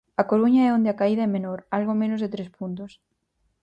A Coruña é onde a caída é menor, algo menos de tres puntos.